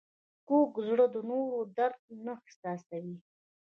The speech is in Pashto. کوږ زړه د نورو درد نه احساسوي